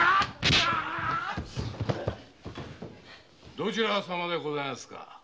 どちら様でございますか？